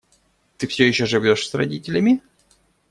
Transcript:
Ты все еще живешь с родителями?